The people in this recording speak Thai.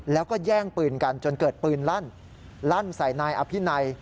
แล้วก็แย่งปืนกันจนเกิดปืนลั่นลั่นใส่นายอภินัย